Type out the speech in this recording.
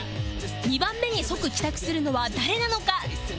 ２番目に即帰宅するのは誰なのか？